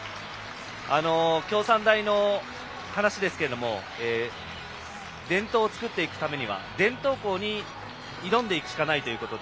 京産大の話ですけども伝統を作っていくためには伝統校に挑んでいくしかないということで。